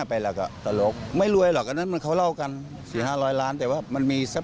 ภาค๒ไม่ใช่ภาค๑นะเดี๋ยวตามผิดนะ